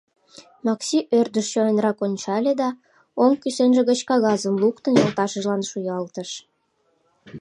Макси ӧрдыш чоянрак ончале да, оҥ кӱсенже гыч кагазым луктын, йолташыжлан шуялтыш.